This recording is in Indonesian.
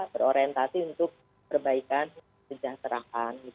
berorientasi untuk perbaikan kejahteraan